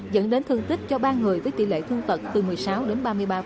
dẫn đến thương tích cho ba người với tỷ lệ thương tật từ một mươi sáu đến ba mươi ba